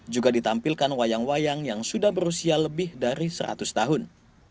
juga ditampilkan wayang wayang yang sudah berusia lebih dari seratus tahun